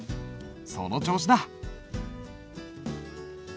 その調子だ。